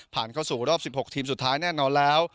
เข้าสู่รอบ๑๖ทีมสุดท้ายแน่นอนแล้ว